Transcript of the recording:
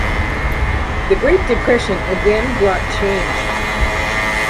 The Great Depression again brought change.